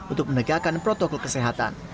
untuk menegakkan protokol kesehatan